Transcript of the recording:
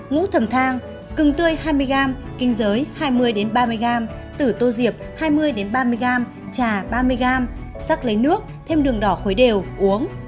ngũ thẩm thang gừng tươi hai mươi g kinh giới hai mươi ba mươi g tử tô diệp hai mươi ba mươi g trà ba mươi g sắc lấy nước thêm đường đỏ khuấy đều uống